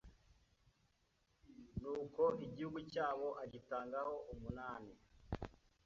nuko igihugu cyabo agitangaho umunani